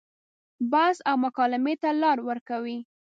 بحث او مکالمې ته لار ورکوي.